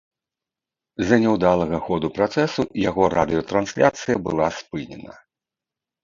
З-за няўдалага ходу працэсу яго радыётрансляцыя была спынена.